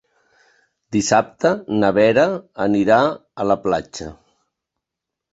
Dissabte na Vera anirà a la platja.